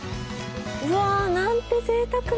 うわなんてぜいたくな！